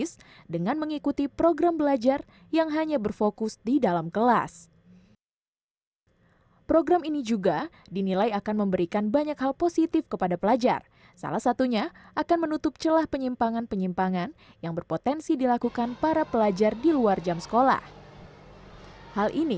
soal menjadi korban dari kejahatan atau perbulian setelah jam sekolah